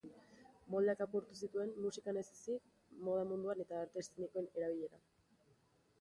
Moldeak apurtu zituen musikan ez ezik, moda munduan eta arte eszenikoen erabileran.